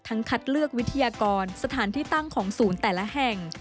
คัดเลือกวิทยากรสถานที่ตั้งของศูนย์แต่ละแห่ง